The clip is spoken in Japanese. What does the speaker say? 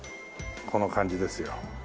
この感じですよ。